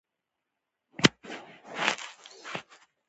د هزارې او کوهستان پۀ لرې پرتو سيمو کې